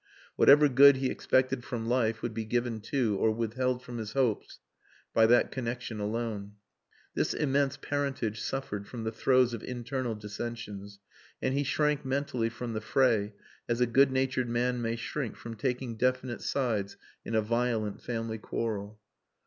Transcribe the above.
Whatever good he expected from life would be given to or withheld from his hopes by that connexion alone. This immense parentage suffered from the throes of internal dissensions, and he shrank mentally from the fray as a good natured man may shrink from taking definite sides in a violent family quarrel.